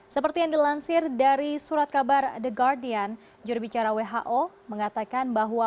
seperti yang dilansir dari surat kabar the guardian jurubicara who mengatakan bahwa